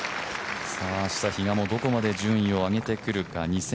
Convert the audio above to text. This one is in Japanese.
明日、比嘉もどこまで順位を上げてくるか。